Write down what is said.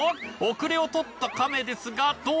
遅れを取ったカメですが。